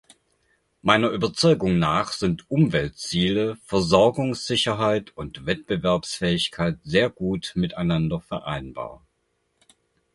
Meiner Überzeugung nach sind Umweltziele, Versorgungssicherheit und Wettbewerbsfähigkeit sehr gut miteinander vereinbar.